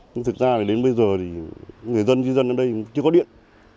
nhưng thực ra đến bây giờ người dân di dân ở đây chưa có điện